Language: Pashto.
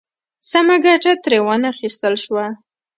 سمه ګټه ترې وا نخیستل شوه.